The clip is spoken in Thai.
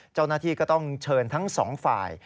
เจ้าหน้าที่ก็ต้องเชิญทั้งสองฝ่าย